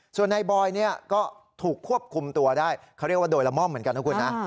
ส่วนนายบอยเนี่ยก็ถูกควบคุมตัวได้เขาเรียกว่าโดยละม่อมเหมือนกันนะคุณนะ